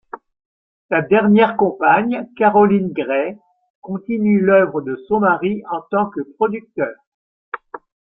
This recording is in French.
Sa dernière compagne, Caroline Gray continue l'œuvre de son mari en tant que producteur.